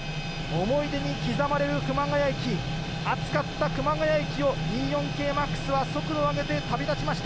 思い出に刻まれる熊谷駅、暑かった熊谷駅を、Ｅ４系Ｍａｘは速度を上げて旅立ちました。